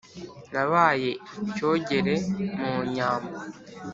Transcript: nabaye icyogere mu nyambo